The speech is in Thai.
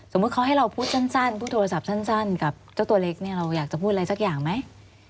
เขาให้เราพูดสั้นพูดโทรศัพท์สั้นกับเจ้าตัวเล็กเนี่ยเราอยากจะพูดอะไรสักอย่างไหม